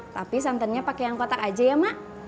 tapi santannya pakai yang kotak aja ya mak